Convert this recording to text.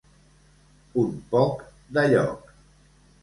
Un poc de lloc.